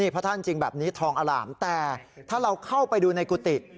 พระท่านจริงแบบนี้ทองอล่ามแต่ถ้าเราเข้าไปดูในกุฏิ